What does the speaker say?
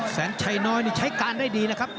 แสนชัยน้อยนี่ใช้การได้ดีนะครับ